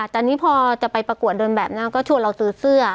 ตอนนี้พอจะไปประกวดเดินแบบนั้นก็ชวนเราซื้อเสื้อ